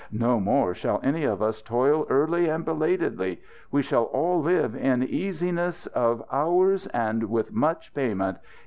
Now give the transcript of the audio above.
No more shall any of us toil early and belatedly. We shall all live in easiness of hours and with much payment.